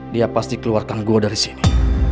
dia pasti keluarkan go dari sini